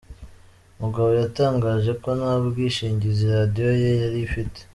Mugabo yatangaje ko nta bwishingizi radiyo ye yari ifite.